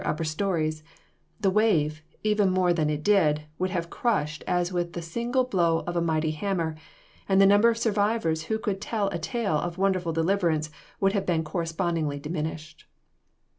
] upper stories; the wave, even more than it did, would have crushed as with the single blow of a mighty hammer, and the number of survivors who could tell a tale of wonderful deliverance would have been correspondingly diminished.